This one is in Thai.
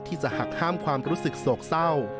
ที่จะหักห้ามความรู้สึกโศกเศร้า